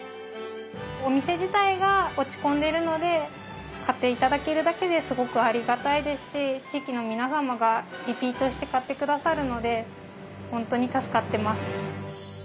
お店自体が落ち込んでるので買って頂けるだけですごくありがたいですし地域の皆様がリピートして買って下さるので本当に助かってます。